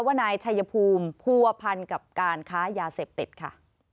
ว่านายชัยภูมิผัวพันกับการค้ายาเสพติดค่ะ